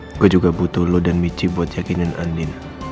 saya juga butuh lo dan michi untuk mempercayai andien